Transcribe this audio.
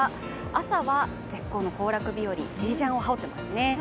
朝は絶好の行楽日和、ジージャンを羽織ってますね。